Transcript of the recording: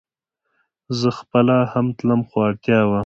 زه خپله هم تلم خو اړتيا وه